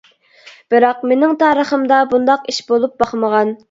بىراق، مېنىڭ تارىخىمدا بۇنداق ئىش بولۇپ باقمىغان.